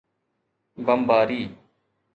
بمباري